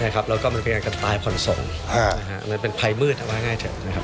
แล้วก็มันพยายามกันตายผ่อนส่งมันเป็นภัยมืดว่าง่ายเถอะนะครับ